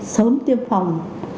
sớm tiêm phòng